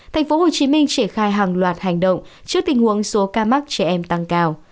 tp hcm triển khai hàng loạt hành động trước tình huống số ca mắc trẻ em tăng cao